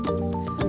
deket pada ulama